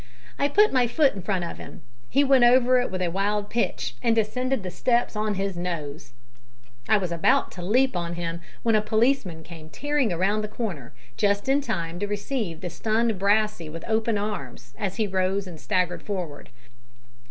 I put my foot in front of him. He went over it with a wild pitch, and descended the steps on his nose! I was about to leap on him when a policeman came tearing round the corner, just in time to receive the stunned Brassey with open arms, as he rose and staggered forward.